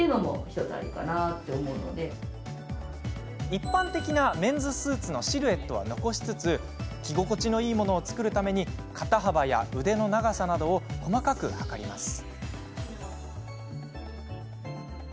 一般的なメンズスーツのシルエットは残しつつ着心地のいいものを作るため肩幅や腕の長さなど細かく測ります。